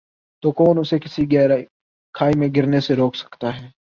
تو کون اسے کسی گہری کھائی میں گرنے سے روک سکتا ہے ۔